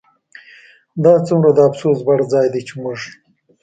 دا څومره د افسوس وړ ځای دی چې موږ